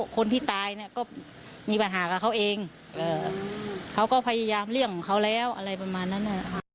คนที่ตายเนี่ยก็มีปัญหากับเขาเองเขาก็พยายามเลี่ยงของเขาแล้วอะไรประมาณนั้น